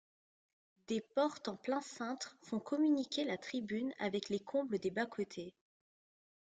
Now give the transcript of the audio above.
Des portes en plein cintre font communiquer la tribune avec les combles des bas-côtés.